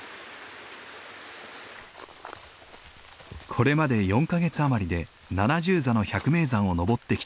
これまで４か月余りで７０座の百名山を登ってきた田中。